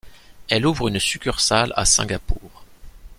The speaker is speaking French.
Elle ouvre une succursale à Singapour.